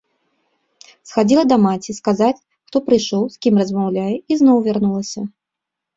Схадзіла да маці, сказаць, хто прыйшоў, з кім размаўляе, і зноў вярнулася.